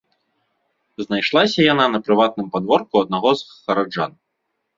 Знайшлася яна на прыватным падворку аднаго з гараджан.